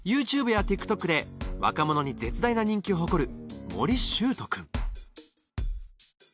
ＹｏｕＴｕｂｅやＴｉｋＴｏｋで若者に絶大な人気を誇るうん？